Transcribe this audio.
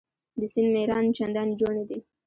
د سیند میران چنداني جوړ نه دي.